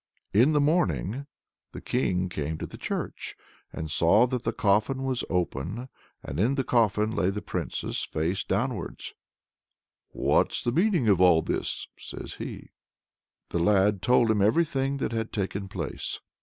In the morning the King came to the church, and saw that the coffin was open, and in the coffin lay the princess, face downwards. "What's the meaning of all this?" says he. The lad told him everything that had taken place.